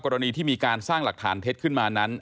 กรณีที่มีการสร้างหลักฐานเท็จขึ้นมานั้น